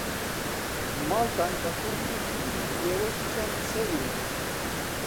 ماڵتان بە قوڕ نەگیرێ ئێوەش چەند سەیرن.